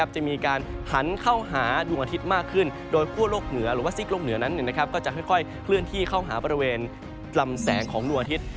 จะมีการหันเข้าหาดวงอาทิตย์มากขึ้นโดยแต่จากควบค์โลกเหนือนั้นค่อยจะคลื่นที่เข้าหาประเวนรำแสงของดวงอาทิตย์